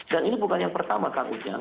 dan ini bukan yang pertama kang ujang